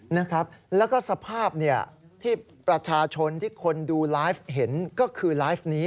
นะครับแล้วก็สภาพที่ประชาชนที่คนดูไลฟ์เห็นก็คือไลฟ์นี้